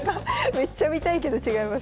めっちゃ見たいけど違います。